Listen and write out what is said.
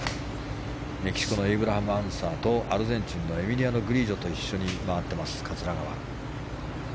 メキシコのエイブラハム・アンサーとアルゼンチンのエミリアノ・グリジョと一緒に回っています、桂川。